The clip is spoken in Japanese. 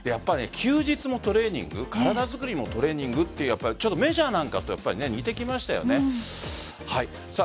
休日もトレーニング体作りもトレーニングというメジャーなんかと似てきましたよね。